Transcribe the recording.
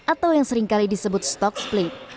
atau yang seringkali disebut stock split